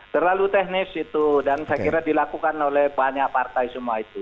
terlalu teknis itu dan saya kira dilakukan oleh banyak partai semua itu